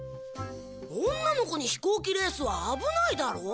女の子に飛行機レースは危ないだろ。